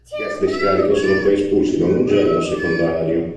I gas di scarico sono poi espulsi da un ugello secondario.